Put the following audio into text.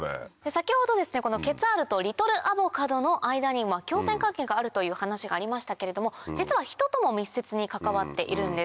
先ほどこのケツァールとリトルアボカドの間に共生関係があるという話がありましたけれども実は人とも密接に関わっているんです。